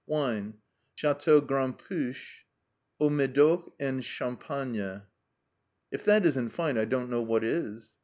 WINE. Chateau Grand Puech. Haut Medoc and Champagne. " If that isn't fine, I don't know what is